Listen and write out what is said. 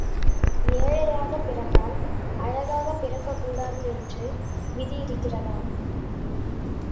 ஏழையாகப் பிறந்தால் அழகாகப் பிறக்கக் கூடாது என்று விதியிருக்கிறதா?